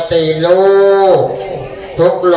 สวัสดีทุกคน